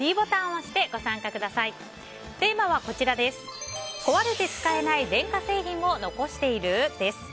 壊れて使えない電化製品を残している？です。